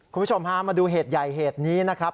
คุณผู้ชมพามาดูเหตุใหญ่เหตุนี้นะครับ